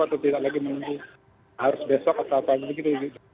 atau tidak lagi menunggu harus besok atau apalagi gitu